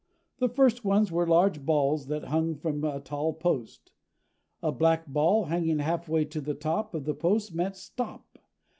The first ones were large balls that hung from a tall post. A black ball hanging halfway to the top of the post meant STOP.